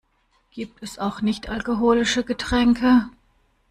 Gibt es auch nicht-alkoholische Getränke?